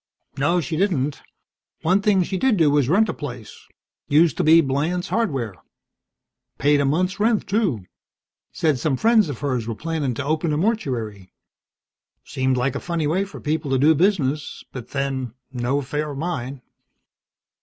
"No, she didn't. One thing she did do was rent a place. Used to be Blands Hardware. Paid a month's rent, too. Said some friends of hers were plannin' to open a mortuary. Seemed like a funny way for people to do business, but then, no affair of mine."